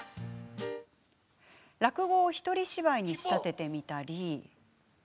落語を一人芝居に仕立ててみたり。